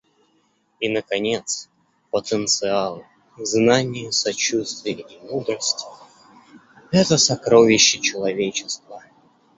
И, наконец, потенциал, знания, сочувствие и мудрость — это сокровища человечества.